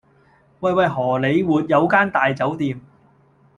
喂喂荷里活有間大酒店